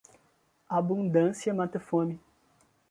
Abundância mata a fome.